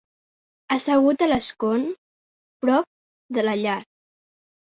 Assegut a l'escon, prop de la llar.